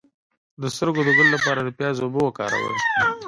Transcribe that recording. د سترګو د ګل لپاره د پیاز اوبه وکاروئ